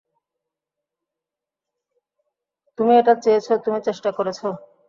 তুমি এটা চেয়েছ, তুমি চেষ্টা করেছ।